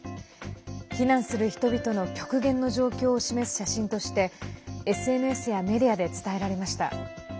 避難する人々の極限の状況を示す写真としてＳＮＳやメディアで伝えられました。